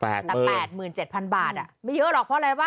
แต่๘๗๐๐บาทไม่เยอะหรอกเพราะอะไรวะ